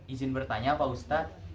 izin bertanya pak ustadz